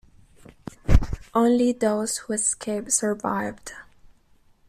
Only those who escaped survived.